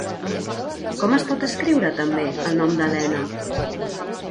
Com es pot escriure, també, el nom d'Elena?